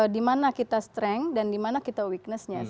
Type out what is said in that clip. dimana kita strength dan dimana kita weakness nya